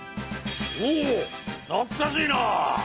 おおなつかしいなあ。